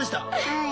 はい。